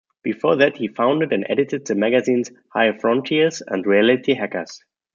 Before that he founded and edited the magazines "High Frontiers" and "Reality Hackers".